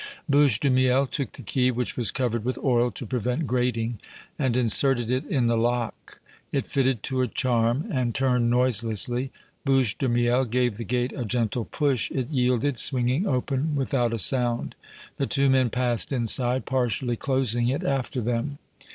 Bouche de Miel took the key, which was covered with oil to prevent grating, and inserted it in the lock. It fitted to a charm and turned noiselessly. Bouche de Miel gave the gate a gentle push; it yielded, swinging open without a sound. The two men passed inside, partially closing it after them.